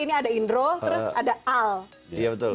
ini ada indro terus ada al iya betul